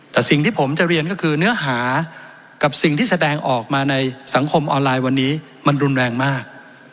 แต่สิ่งที่ผมจะเรียนก็คือเนื้อหากับสิ่งที่แสดงออกมาในสังคมออนไลน์วันนี้มันรุนแรงมาก